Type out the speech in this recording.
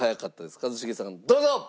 一茂さんどうぞ！